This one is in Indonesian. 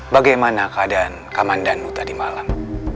bagaimana keadaan komandanmu tadi malam